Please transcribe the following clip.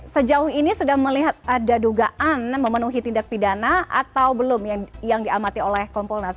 sejauh ini sudah melihat ada dugaan memenuhi tindak pidana atau belum yang diamati oleh kompolnas